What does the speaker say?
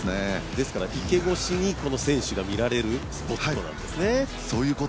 ですから池越しに選手が見られるスポットなんですね。